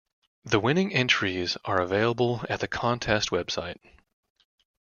The winning entries are available at the contest website.